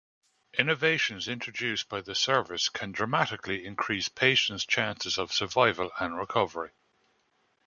Innovations introduced by the service can dramatically increase patient's chances of survival and recovery.